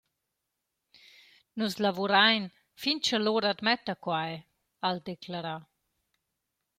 «Nus lavurain fin cha l’ora admetta quai», ha’l declerà.